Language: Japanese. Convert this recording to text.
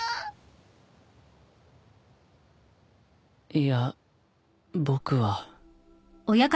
いや僕は。